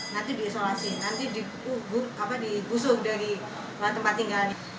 nanti diisolasi nanti digusur dari tempat tinggal